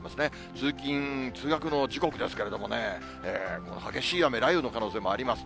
通勤・通学の時刻ですけれどもね、この激しい雨、雷雨の可能性もあります。